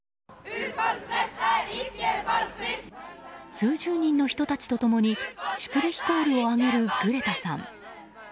数十人の人たちと共にシュプレヒコールを上げるグレタさん。